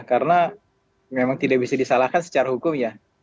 karena memang tidak bisa disalahkan secara hukum ya